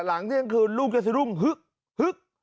หลังเที่ยงคืนลูกกันสิลูกฮึกฮึก